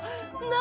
何？